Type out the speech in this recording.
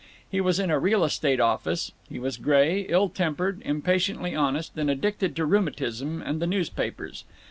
He was in a real estate office; he was gray, ill tempered, impatiently honest, and addicted to rheumatism and the newspapers.